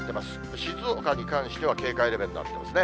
静岡に関しては警戒レベルになってますね。